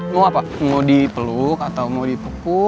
mau apa mau dipeluk atau mau dipukul